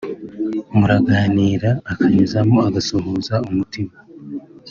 muraganira akanyuzamo agasuhuza umutima